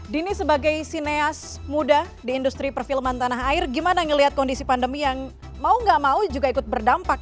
dini sebagai sineas muda di industri perfilman tanah air gimana ngelihat kondisi pandemi yang mau gak mau juga ikut berdampak